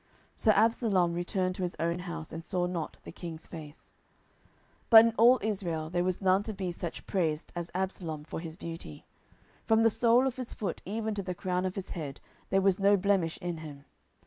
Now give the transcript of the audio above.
So Absalom returned to his own house, and saw not the king's face. 10:014:025 But in all Israel there was none to be so much praised as Absalom for his beauty: from the sole of his foot even to the crown of his head there was no blemish in him.